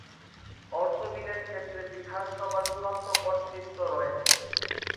অর্থ বিলের ক্ষেত্রে বিধানসভার চূড়ান্ত কর্তৃত্ব রয়েছে।